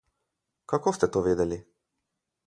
Kako ste to vedeli?